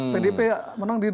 pdp menang di dua ribu tujuh belas